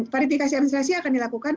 verifikasi administrasi akan dilakukan